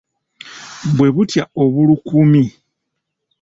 Bwe butwa obuluukuumi.